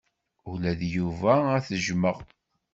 Ula d Yuba ad t-jjmeɣ.